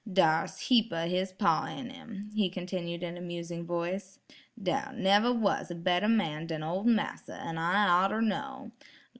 Dar's heap o' his paw in 'im," he continued in a musing voice. "Dar neber was a better man den ol' massa, an' I orter know.